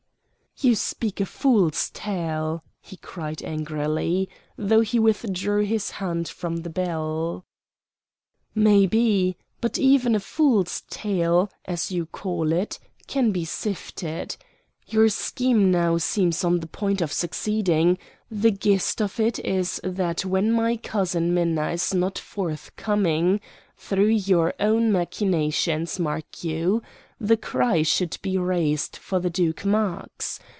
"You speak a fool's tale!" he cried angrily, though he withdrew his hand from the bell. "Maybe, but even a fool's tale, as you call it, can be sifted. Your scheme now seems on the point of succeeding. The gist of it is that when my cousin Minna is not forthcoming through your own machinations, mark you the cry should be raised for the Duke Marx.